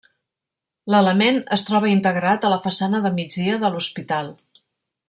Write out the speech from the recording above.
L'element es troba integrat a la façana de migdia de l'hospital.